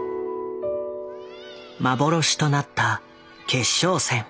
幻となった決勝戦。